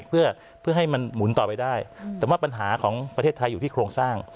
เพื่อให้มันหมุนต่อไปได้แต่ว่าปัญหาของประเทศไทยอยู่ที่โครงสร้าง